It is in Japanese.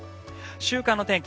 週間の天気